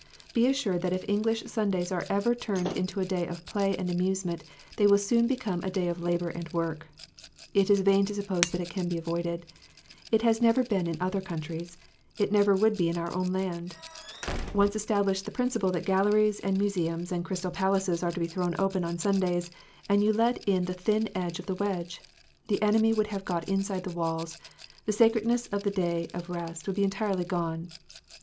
Be assured that if English Sundays are ever turned into a day of play and amusement, they will soon become a day of labour and work. It is vain to suppose that it can be avoided : it never has been in other countries ; it never would be in our own land. Once establish the principle that galleries and museums and crystal palaces are to be thrown open on Sundays, and you let in the thin edge of the wedge. The enemy would have got inside the walls ; the sacredness of the day of rest would be entirely gone.